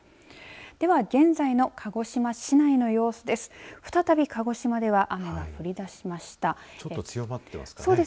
では現在の鹿児島市内の様子です。